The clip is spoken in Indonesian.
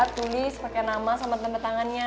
tulis pake nama sama tempat tangannya